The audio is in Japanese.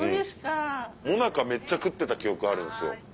最中めっちゃ食ってた記憶あるんすよ。